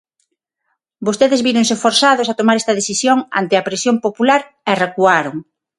Vostedes víronse forzados a tomar esta decisión ante a presión popular e recuaron.